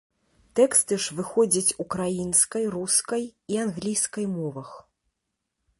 Тэксты ж выходзяць украінскай, рускай і англійскай мовах.